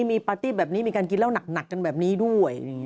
มีปาร์ตี้แบบนี้มีการกินเหล้าหนักกันแบบนี้ด้วย